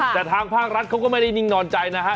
แต่ทางภาครัฐเขาก็ไม่ได้นิ่งนอนใจนะฮะ